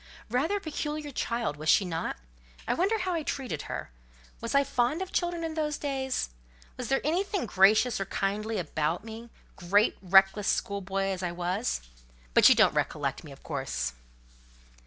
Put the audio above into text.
"Rather a peculiar child, was she not? I wonder how I treated her. Was I fond of children in those days? Was there anything gracious or kindly about me—great, reckless, schoolboy as I was? But you don't recollect me, of course?"